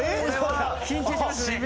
緊張しますね。